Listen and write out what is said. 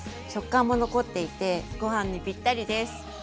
食感も残っていてご飯にぴったりです。